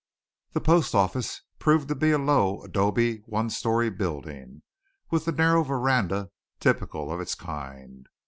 The post office proved to be a low adobe one story building, with the narrow veranda typical of its kind.